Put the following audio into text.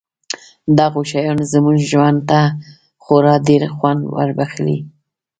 دغو شیانو زموږ ژوند ته خورا ډېر خوند وربښلی دی